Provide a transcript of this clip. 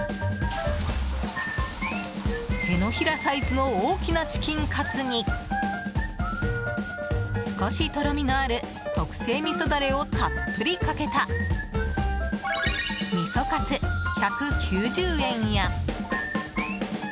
手のひらサイズの大きなチキンカツに少しとろみのある特製みそダレをたっぷりかけたみそカツ、１９０円や。